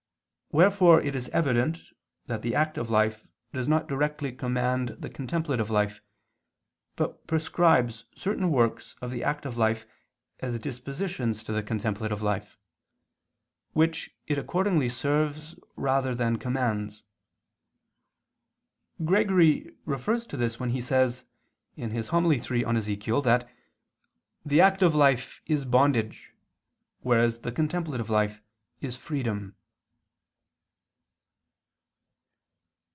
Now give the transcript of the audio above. Wherefore it is evident that the active life does not directly command the contemplative life, but prescribes certain works of the active life as dispositions to the contemplative life; which it accordingly serves rather than commands. Gregory refers to this when he says (Hom. iii in Ezech.) that "the active life is bondage, whereas the contemplative life is freedom."